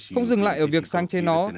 không dừng lại ở việc sáng chế nó